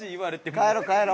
帰ろ帰ろ。